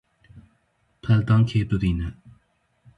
Peldankê bibîne.